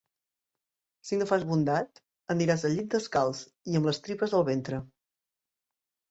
Si no fas bondat, aniràs al llit descalç i amb les tripes al ventre.